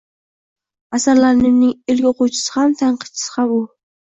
Asarlarimning ilk o‘quvchisi ham, tanqidchisi ham u